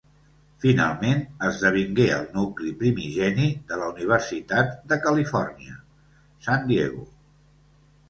Finalment esdevingué el nucli primigeni de la Universitat de Califòrnia, San Diego.